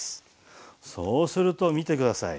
そうすると見て下さい。